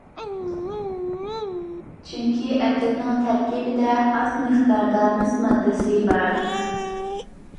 چۈنكى ئەتىرنىڭ تەركىبىدە ئاز مىقداردا مىس ماددىسى بار.